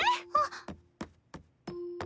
あっ。